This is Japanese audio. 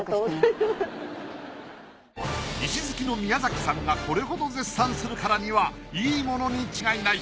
石好きの宮崎さんがこれほど絶賛するからにはいいものに違いない。